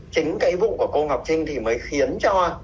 chính cái vụ của cô ngọc trinh thì mới khiến cho